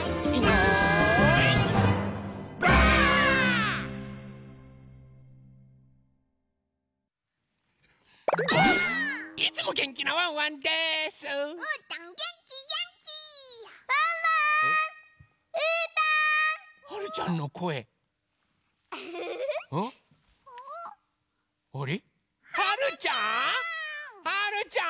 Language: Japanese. はるちゃん！